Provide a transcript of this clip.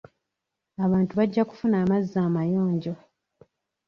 Abantu bajja kufuna amazzi amayonjo.